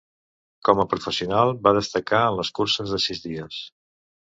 Com a professional va destacar en les curses de sis dies.